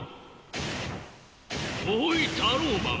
おいタローマン。